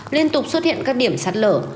liên tục xuất hiện các điểm sạt lở